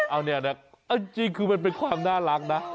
เอาเนี่ยนะเอาจริงคือมันเป็นความน่ารักนะ